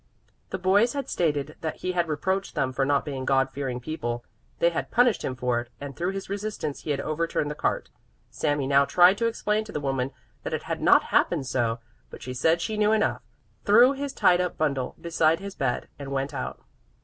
The boys had stated that he had reproached them for not being God fearing people; they had punished him for it, and through his resistance he had overturned the cart. Sami now tried to explain to the woman that it had not happened so, but she said she knew enough, threw his tied up bundle beside his bed, and went out.